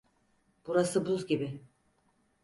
Burası buz gibi.